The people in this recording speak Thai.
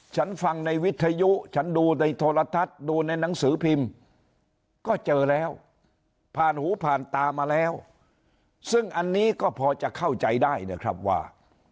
ฉันฟังในวิทยุฉันดูในโทรทัศน์ดูในหนังสือพิมพ์ก็เจอแล้วผ่านหูผ่านตามาแล้วซึ่งอันนี้ก็พอจะเข้าใจได้นะครับว่า